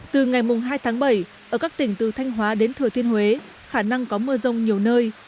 từ ngày hai tháng bảy ở các tỉnh từ thanh hóa đến thừa thiên huế khả năng có mưa rông nhiều nơi